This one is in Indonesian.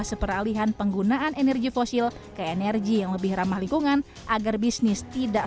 seperalihan penggunaan energi fosil ke energi yang lebih ramah lingkungan agar bisnis tidak